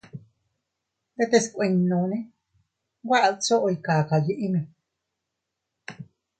Ndetes kuinnone nwe a dchoy kakayiʼime.